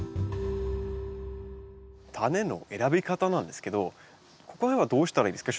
タネの選び方なんですけどこれはどうしたらいいですか？